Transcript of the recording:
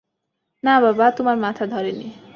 না বাবা, তোমার মাথা ধরেনি।